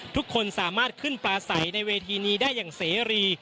ทุกคนสามารถขึ้นปลาใสในเวทีนี้ได้อย่างเสรี